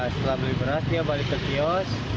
setelah beli beras dia balik ke kios